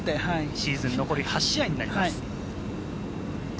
シーズン残り８試合になります。